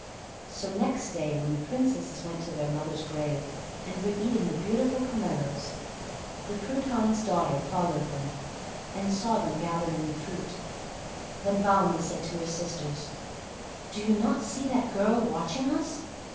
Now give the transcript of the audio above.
So next day, when the Princesses went to their mother's grave, and were eating the beautiful pomeloes, the Prudhan's daughter followed them, and saw them gathering the fruit. Then Balna said to her sisters, "Do you not see that girl watching us?